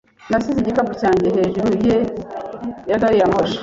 Nasize igikapu cyanjye hejuru ya gari ya moshi.